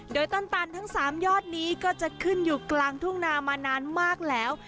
โดยต้นตันทั้ง๓ยอดนี้ก็จะขึ้นอยู่กลางทุ่งนามานานมากแล้ว